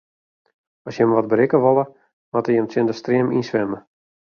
As jimme wat berikke wolle, moatte jimme tsjin de stream yn swimme.